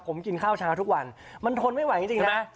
ผมกินข้าวเช้าทุกวันมันทนไม่ไหวจริงนะ